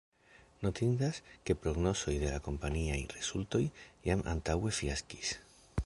Notindas, ke prognozoj de la kompaniaj rezultoj jam antaŭe fiaskis.